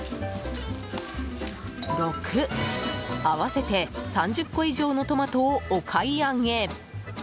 合わせて３０個以上のトマトをお買い上げ。